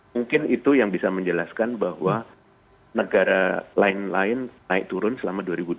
mungkin itu yang bisa menjelaskan bahwa negara lain lain naik turun selama dua ribu dua puluh